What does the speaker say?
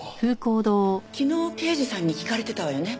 昨日刑事さんに聞かれてたわよね。